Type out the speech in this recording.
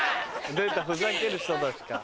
出たふざける人たちか。